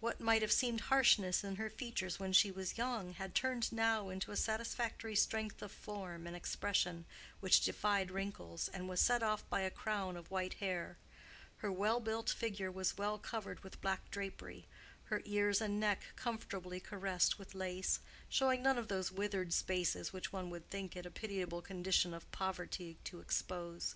What might have seemed harshness in her features when she was young, had turned now into a satisfactory strength of form and expression which defied wrinkles, and was set off by a crown of white hair; her well built figure was well covered with black drapery, her ears and neck comfortably caressed with lace, showing none of those withered spaces which one would think it a pitiable condition of poverty to expose.